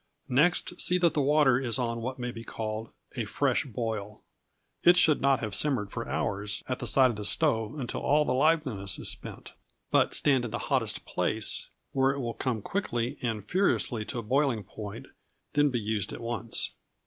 Next see that the water is on what may be called "a fresh boil." It should not have simmered for hours at the side of the stove until all the liveliness is spent, but stand in the hottest place, where it will come quickly and furiously to the boiling point, then be used at once.